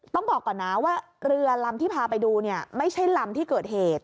ต้องบอกก่อนนะว่าเรือลำที่พาไปดูเนี่ยไม่ใช่ลำที่เกิดเหตุ